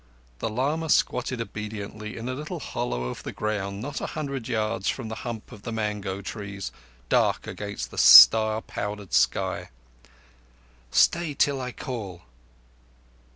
The lama squatted obediently in a little hollow of the ground not a hundred yards from the hump of the mango trees dark against the star powdered sky. "Stay till I call."